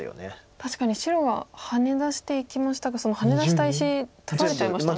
確かに白はハネ出していきましたがそのハネ出した石取られちゃいましたね。